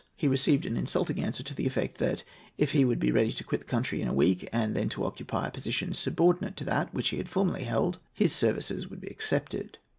He received an insulting answer to the effect that, if he would be ready to quit the country in a week, and then to occupy a position subordinate to that which he had formerly held, his services would be accepted.